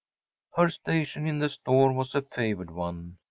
Her station in the store was a favored one.